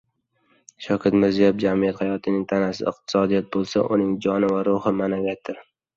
Shavkat Mirziyoev: Jamiyat hayotining tanasi iqtisodiyot bo‘lsa, uning joni va ruhi ma’naviyatdir